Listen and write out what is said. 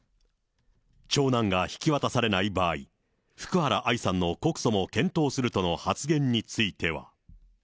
長男が引き渡されない場合、福原愛さんの告訴も検討するとの発言については。